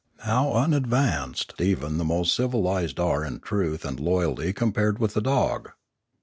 How unadvanced even the most civilised are in truth and loyalty compared with the dog!